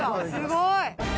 すごい。